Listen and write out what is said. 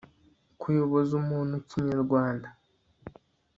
kuyoboza umuntu kinyarwanda